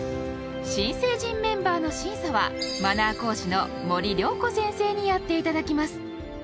新成人メンバーの審査はマナー講師の森良子先生にやっていただきます